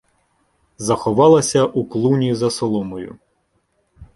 заховалася у клуні за соломою.